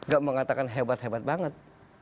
gak mengatakan hebat hebat banget